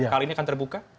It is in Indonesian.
kali ini akan terbuka